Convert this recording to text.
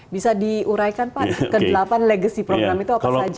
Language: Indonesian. bisa diuraikan pak ke delapan legacy program itu apa saja